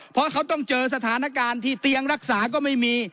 เพราะเขาต้องเจอสถานการณ์ที่เตียงรักษาก็ไม่มี